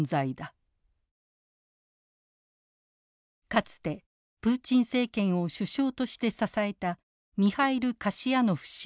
かつてプーチン政権を首相として支えたミハイル・カシヤノフ氏。